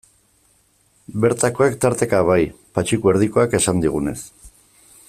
Bertakoek, tarteka, bai, Patxiku Erdikoak esan digunez.